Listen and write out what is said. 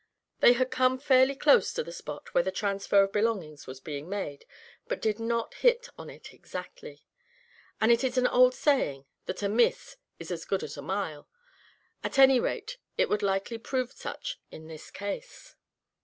They had come fairly close to the spot where the transfer of belongings was being made, but did not hit on it exactly. And it is an old saying that a miss is as good as a mile; at any rate it would likely prove such in this case.